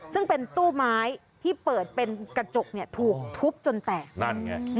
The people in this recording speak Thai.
ซึ่งเป็นตู้ไม้ที่เปิดเป็นกระจกเนี่ยถูกทุบจนแตกนั่นไง